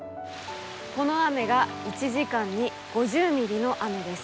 この雨が１時間に５０ミリの雨です。